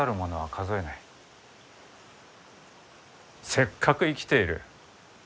せっかく生きている。